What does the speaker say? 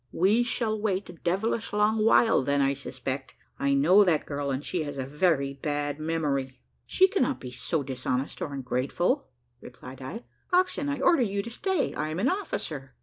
"We shall wait a devilish long while, then, I suspect. I know that girl, and she has a very bad memory." "She cannot be so dishonest or ungrateful," replied I. "Coxswain, I order you to stay I am an officer."